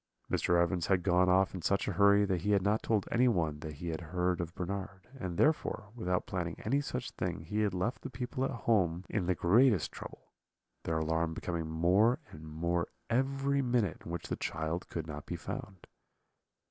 "Mr. Evans had gone off in such a hurry that he had not told anyone that he had heard of Bernard; and therefore, without planning any such thing, he had left the people at home in the greatest trouble, their alarm becoming more and more every minute in which the child could not be found.